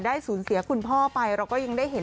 สูญเสียคุณพ่อไปเราก็ยังได้เห็น